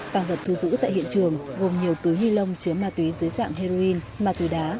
tàng vật thu giữ tại hiện trường gồm nhiều túi ni lông chứa ma túy dưới dạng heroin ma túy đá